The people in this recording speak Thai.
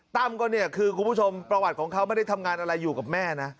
ตั้มก็เนี่ยคือคุณผู้ชมประวัติของเขาไม่ได้ทำงานอะไรอยู่กับแม่นะ